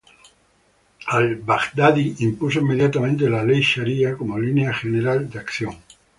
Al-Baghdadi impuso inmediatamente la ley sharía como línea general de acción.